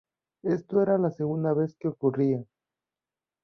Esto era la segunda vez que ocurría.